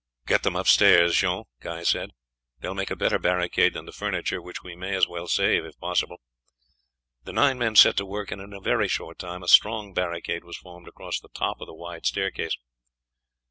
"Get them upstairs, Jean," Guy said; "they will make a better barricade than the furniture, which we may as well save if possible." The nine men set to work, and in a very short time a strong barricade was formed across the top of the wide staircase.